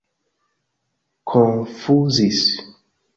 konfuzis